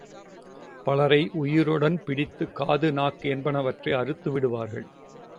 பலரை உயிருடன் பிடித்து காது, நாக்கு என் பனவற்றை அறுத்து விடுவார்கள்.